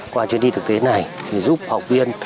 qua chuyến đi thực tế này thì giúp học viên